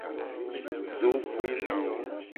Zogbelo.